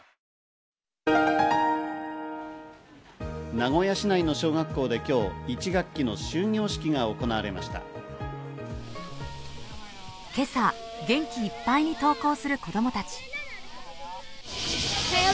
名古屋市内の小学校で今日、今朝、元気いっぱいに登校する子供たち。